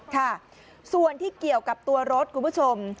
ค่ะส่วนที่เกี่ยวกับตัวรถคุณผู้ชม